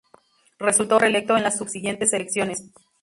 Resultó reelecto en las subsiguientes elecciones.